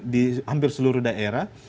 di hampir seluruh daerah